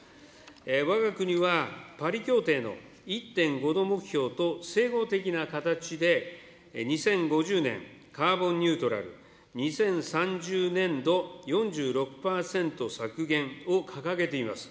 わが国はパリ協定の１．５度目標と整合的な形で２０５０年カーボンニュートラル、２０３０年度４６％削減を掲げています。